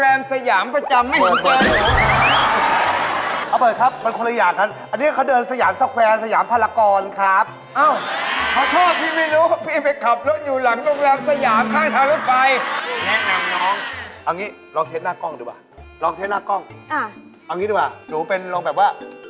เอานี่ดีกว่าผมเข้าเป็นลองแบบว่า